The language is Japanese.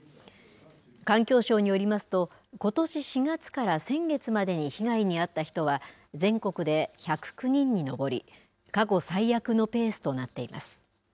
環境省によりますとことし４月から先月までに被害に遭った人は全国で１０９人に上り過去最悪のペースとなっています。